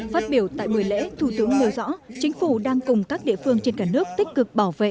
phát biểu tại buổi lễ thủ tướng nêu rõ chính phủ đang cùng các địa phương trên cả nước tích cực bảo vệ